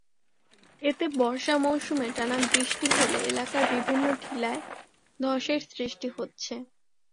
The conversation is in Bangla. এতে বর্ষা মৌসুমে টানা বৃষ্টি হলে এলাকার বিভিন্ন টিলায় ধসের সৃষ্টি হচ্ছে।